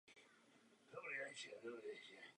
Je postaven v novogotickém slohu.